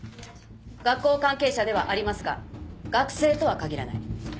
学校関係者ではありますが学生とはかぎらない。